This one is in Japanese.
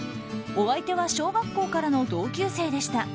お相手は小学校からの同級生でした。